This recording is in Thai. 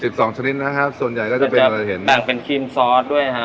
สองชนิดนะฮะส่วนใหญ่ก็จะเป็นอะไรเห็นแบ่งเป็นครีมซอสด้วยฮะ